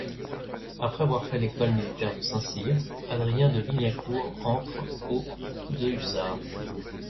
Après avoir fait l'école militaire de Saint-Cyr, Adrien de Wignacourt entre au de hussards.